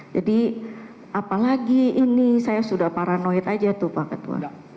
jadi apalagi ini saya sudah paranoid aja tuh pak ketua